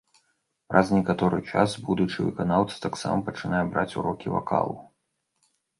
Праз некаторы час будучы выканаўца таксама пачынае браць урокі вакалу.